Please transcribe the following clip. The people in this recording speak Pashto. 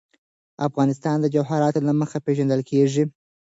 افغانستان د جواهرات له مخې پېژندل کېږي.